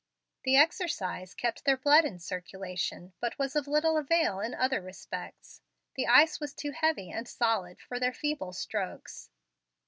The exercise kept their blood in circulation, but was of little avail in other respects. The ice was too heavy and solid for their feeble strokes.